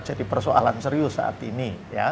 persoalan serius saat ini